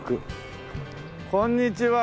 こんにちは。